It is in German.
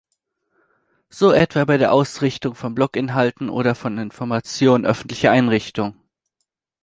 So etwa bei der Ausrichtung von Blog-Inhalten oder von Informationen öffentlicher Einrichtungen.